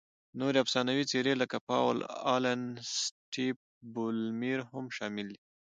نورې افسانوي څېرې لکه پاول الن، سټیف بولمیر هم شامل دي.